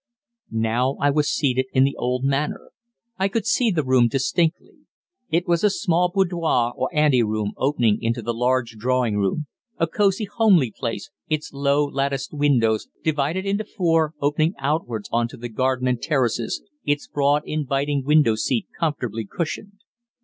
Now I was seated in the old Manor. I could see the room distinctly. It was a small boudoir or ante room opening into the large drawing room a cosy, homely place, its low, latticed windows, divided into four, opening outwards on to garden and terraces, its broad, inviting window seat comfortably cushioned.